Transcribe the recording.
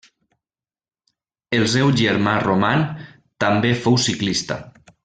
El seu germà Roman també fou ciclista.